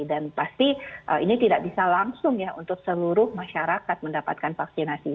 dan pasti ini tidak bisa langsung untuk seluruh masyarakat mendapatkan vaksinasi